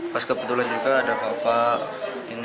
pas kebetulan juga ada bapak ini